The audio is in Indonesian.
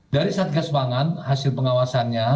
dari satgas pangan hasil pengawasannya